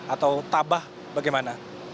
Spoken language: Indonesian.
atau tabah bagaimana